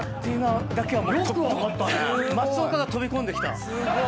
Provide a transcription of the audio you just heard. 松岡が飛び込んできた。